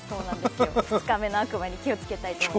２日目の悪魔に気をつけたいと思います。